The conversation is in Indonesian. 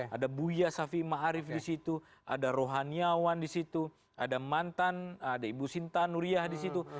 ada buya safi ma'arif di situ ada rohan yawan di situ ada mantan ada ibu sinta nuriyah di situ